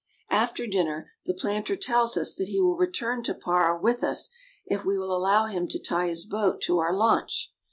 After dinner the planter tells us that he will return to Para with us if we will allow him to tie his boat to our launch.